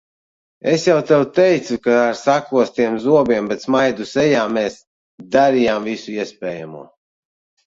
Es jau tev teicu, ka sakostiem zobiem, bet smaidu sejā mēs darījām visu iespējamo.